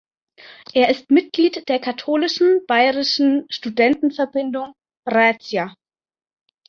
Er ist Mitglied der Katholischen Bayerischen Studentenverbindung "Rhaetia".